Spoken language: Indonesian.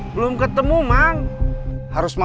ya udah kita pulang dulu aja